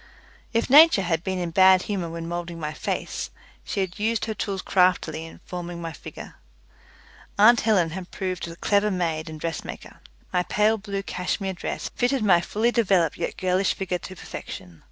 If Nature had been in bad humour when moulding my face, she had used her tools craftily in forming my figure. Aunt Helen had proved a clever maid and dressmaker. My pale blue cashmere dress fitted my fully developed yet girlish figure to perfection.